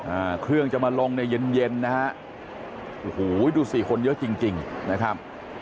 อ่าเครื่องจะมาลงในเย็นเย็นนะฮะโอ้โหดูสิคนเยอะจริงจริงนะครับ